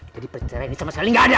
jadi pencerahan ini sama sekali nggak ada